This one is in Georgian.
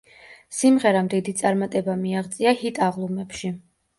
სიმღერამ დიდი წარმატება მიაღწია ჰიტ-აღლუმებში.